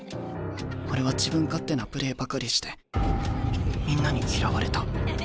俺は自分勝手なプレーばかりしてみんなに嫌われた。